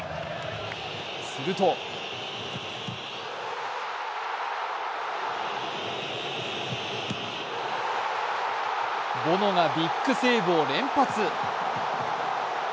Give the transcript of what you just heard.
すると、ボノがビッグセーブを連発。